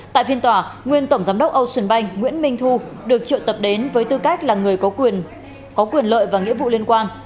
tại phiên tòa nguyên tổng giám đốc ocean bank nguyễn minh thu được triệu tập đến với tư cách là người có quyền có quyền lợi và nghĩa vụ liên quan